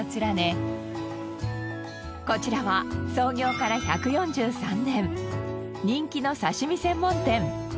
こちらは創業から１４３年人気の刺身専門店。